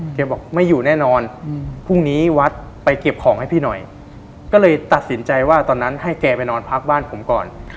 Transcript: แกบอกไม่อยู่แน่นอนพรุ่งนี้วัดไปเก็บของให้พี่หน่อยก็เลยตัดสินใจว่าตอนนั้นให้แกไปนอนพักบ้านผมก่อน